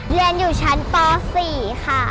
เรียนอยู่ชั้นป๔ค่ะ